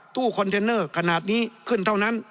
ตู้คอนเทนเนอร์ขนาดนี้ขึ้นเท่านั้น